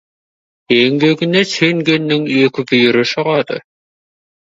Еңбегіне сенгеннің екі бүйірі шығады.